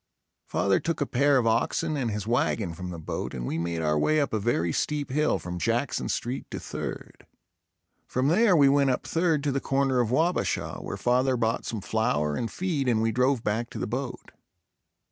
Father took a pair of oxen and his wagon from the boat and we made our way up a very steep hill from Jackson Street to Third. From there we went up Third to the corner of Wabasha, where father bought some flour and feed and we drove back to the boat.